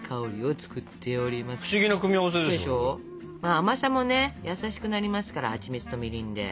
甘さもね優しくなりますからはちみつとみりんで。